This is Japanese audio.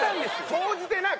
総じてない！